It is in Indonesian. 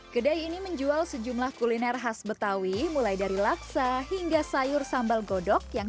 kedai ini menjual sejumlah kuliner khas betawi mulai dari laksa hingga sayur sambal godok yang